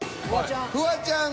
「フワちゃん」。